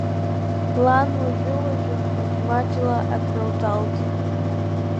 Лан уажәы-уажәы маҷ-маҷла акрылҿалҵон.